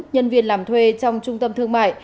nhân viên làm thuê trong trung tâm thương mại